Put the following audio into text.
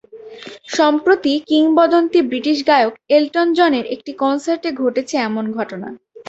সম্প্রতি কিংবদন্তি ব্রিটিশ গায়ক এলটন জনের একটি কনসার্টে ঘটেছে এমন ঘটনা।